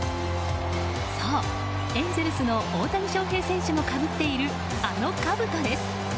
そう、エンゼルスの大谷翔平選手もかぶっているあのかぶとです。